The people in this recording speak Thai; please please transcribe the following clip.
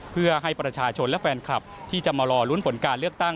เพื่อให้ประชาชนและแฟนคลับที่จะมารอลุ้นผลการเลือกตั้ง